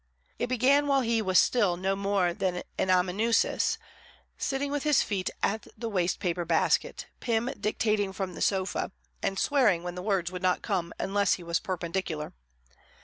It began while he was still no more than an amanuensis, sitting with his feet in the waste paper basket, Pym dictating from the sofa, and swearing when the words would not come unless he was perpendicular.